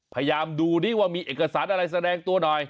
พยายามดูดิว่ามีเอกสารอะไรแสดงตัวหน่อย